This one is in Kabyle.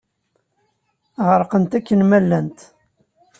Ɣerqent akken ma llant.